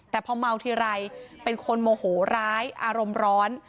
แต่พอเมาทีไรเป็นคนโมโหร้ายอารมณ์ร้อน